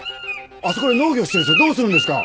あそこで農業してる人はどうするんですか！